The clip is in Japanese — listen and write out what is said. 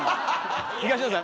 東野さん。